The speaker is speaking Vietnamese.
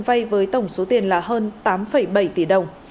vay với tổng số tiền là hơn tám bảy tỷ đồng